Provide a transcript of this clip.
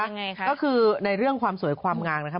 ก็คือในเรื่องความสวยความงามนะครับ